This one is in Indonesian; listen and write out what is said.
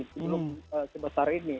belum sebesar ini